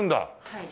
はい。